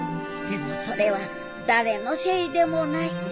でもそれは誰のせいでもない。